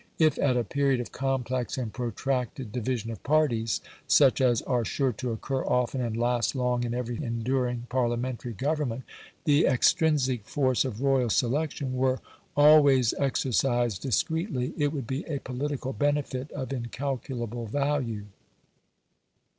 If at a period of complex and protracted division of parties, such as are sure to occur often and last long in every enduring Parliamentary government, the extrinsic force of royal selection were always exercised discreetly, it would be a political benefit of incalculable value.